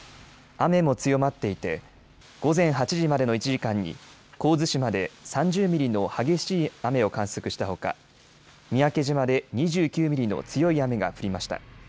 雨も強まっていて午前８時までの１時間に神津島で３０ミリの激しい雨を観測したほか三宅島で２９ミリの強い雨が降りました。